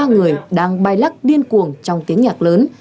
một mươi ba người đang bay lắc điên cuồng trong tiếng nhạc lớn